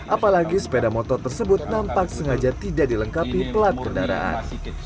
apalagi sepeda motor tersebut nampak sengaja tidak dilengkapi pelat kendaraan